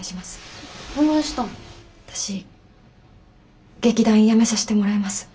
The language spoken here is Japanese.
私劇団辞めさしてもらいます。